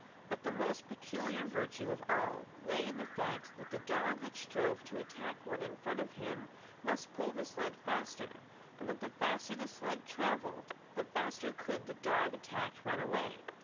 But the most peculiar virtue of all lay in the fact that the dog that strove to attack one in front of him must pull the sled faster, and that the faster the sled travelled, the faster could the dog attacked run away.